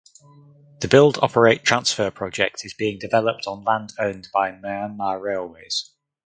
The build–operate–transfer project is being developed on land owned by Myanma Railways.